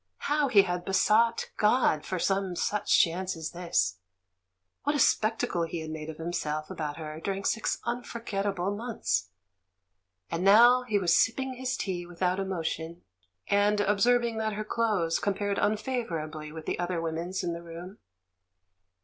How he had besought God for some such chance as this —• what a spectacle he had made of himself about her during six unforgettable months ! And now he was sipping his tea without emotion, and ob serving that her clothes compared unfavourably with the other women's in the room!